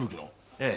ええ。